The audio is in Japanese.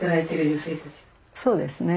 そうですね。